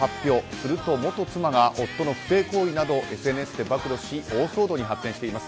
すると元妻が夫の不貞行為など暴露し、大騒動に発展しています。